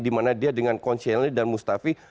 dimana dia dengan concelley dan mustafi